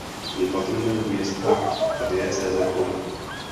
Je patronem města a diecéze Como.